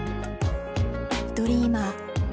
ドリーマー